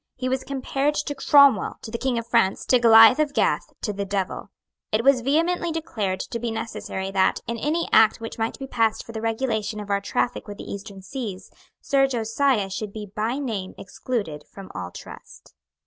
He was compared to Cromwell, to the King of France, to Goliath of Gath, to the Devil. It was vehemently declared to be necessary that, in any Act which might be passed for the regulation of our traffic with the Eastern seas, Sir Josiah should be by name excluded from all trust.